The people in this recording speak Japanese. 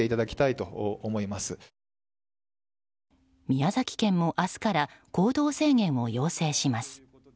宮崎県も明日から行動制限を要請します。